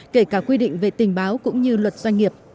kể cả quy định về tình báo cũng như luật doanh nghiệp